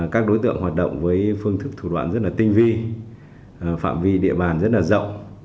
các đối tượng hoạt động với phương thức thủ đoạn rất là tinh vi phạm vi địa bàn rất là rộng